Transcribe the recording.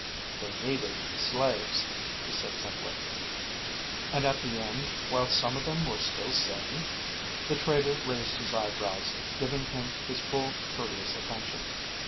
"They needed slaves," he said simply. "And at the end, while some of them were still sane?" The traitor raised his eyebrows, giving him his full courteous attention.